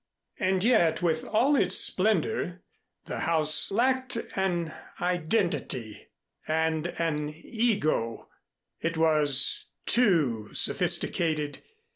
And yet with all its splendor, the house lacked an identity and an ego. It was too sophisticated.